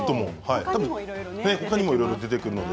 他にもいろいろ出てくるので。